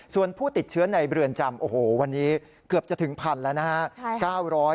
ส่วนผู้ติดเชื้อในเรือนจำโอ้โหวันนี้เกือบจะถึงพันแล้วนะฮะ